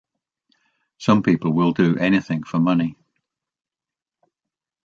Some people will do anything for money.